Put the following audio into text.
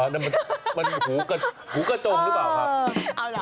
นั่นมันมีหูกระจงหรือเปล่าครับ